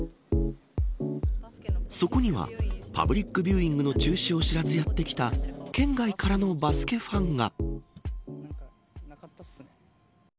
そこにはパブリックビューイングの中止を知らずやって来た県外からのバスケファンが。